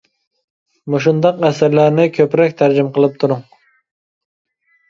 مۇشۇنداق ئەسەرلەرنى كۆپرەك تەرجىمە قىلىپ تۇرۇڭ.